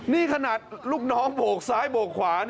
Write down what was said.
นี่ขนาดลูกน้องโบกซ้ายโบกขวา